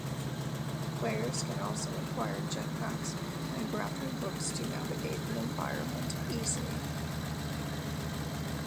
Players can also acquire jet packs and grappling hooks to navigate the environment easily.